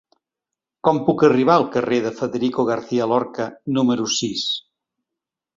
Com puc arribar al carrer de Federico García Lorca número sis?